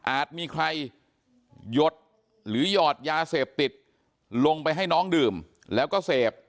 มีใครหยดหรือหยอดยาเสพติดลงไปให้น้องดื่มแล้วก็เสพ